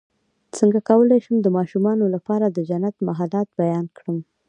څنګه کولی شم د ماشومانو لپاره د جنت محلات بیان کړم